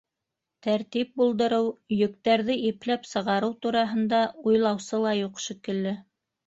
Тәртип булдырыу, йөктәрҙе ипләп сығарыу тураһында уйлаусы ла юҡ шикелле.